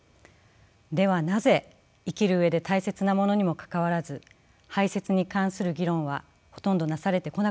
ではなぜ生きる上で大切なものにもかかわらず排泄に関する議論はほとんどなされてこなかったのでしょうか。